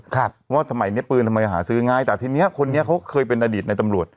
ครับว่าทำไมเนี้ยปืนทำไมหาซื้อง่ายแต่ทีเนี้ยคนนี้เขาเคยเป็นอดีตในตำรวจ